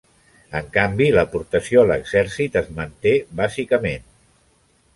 En canvi l'aportació a l'exèrcit es manté bàsicament.